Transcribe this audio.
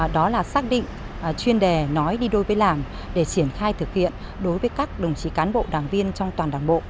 đó là xác định chuyên đề nói đi đôi với làm để triển khai thực hiện đối với các đồng chí cán bộ đảng viên trong toàn đảng bộ